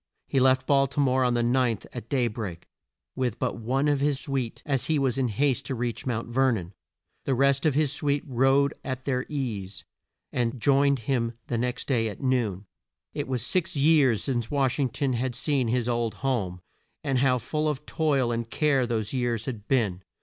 He left Bal ti more on the ninth, at day break, with but one of his suite, as he was in haste to reach Mount Ver non. The rest of his suite rode at their ease, and joined him the next day at noon. It was six years since Wash ing ton had seen his old home, and how full of toil and care those years had been!